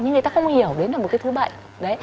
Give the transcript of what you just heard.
nhưng người ta không hiểu đấy là một cái thứ bệnh